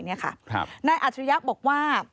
นายอัจฉริยะบอกว่า